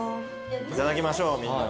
いただきましょうみんな。